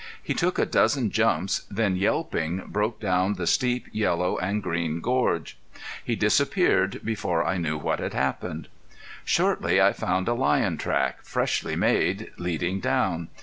He took a dozen jumps, then yelping broke down the steep, yellow and green gorge. He disappeared before I knew what had happened. Shortly I found a lion track, freshly made, leading down.